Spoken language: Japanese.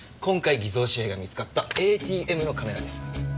今回偽造紙幣が見つかったＡＴＭのカメラです。